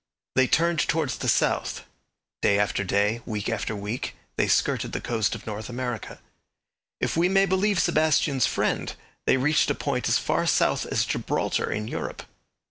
They turned towards the south. Day after day, week after week, they skirted the coast of North America. If we may believe Sebastian's friend, they reached a point as far south as Gibraltar in Europe.